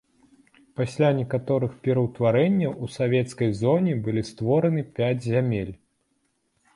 Пасля некаторых пераўтварэнняў у савецкай зоне былі створаны пяць зямель.